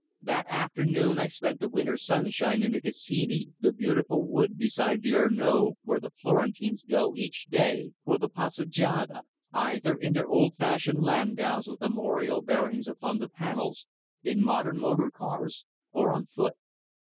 That afternoon I spent the winter sunshine in the Cascine, the beautiful wood beside the Arno where the Florentines go each day for the passeggiata, either in their old fashioned landaus with armorial bearings upon the panels, in modern motor cars, or on foot.